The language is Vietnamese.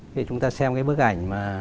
thì chúng ta xem cái bức ảnh mà